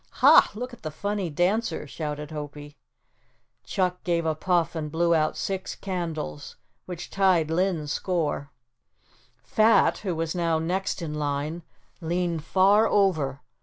"Ha, look at the funny dancer," shouted Hopie. Chuck gave a puff and blew out six candles which tied Linn's score. Fat, who was now next in line, leaned far over.